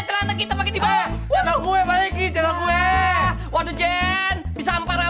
jangan lupa like komen share